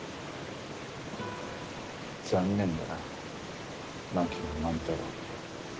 残念だな槙野万太郎。